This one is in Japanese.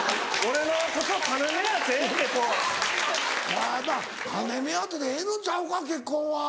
あまぁ金目当てでええのんちゃうか結婚は。